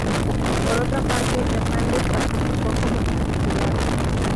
Por otra parte, Hernández participó como titular.